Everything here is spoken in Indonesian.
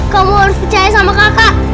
kamu harus percaya sama kakak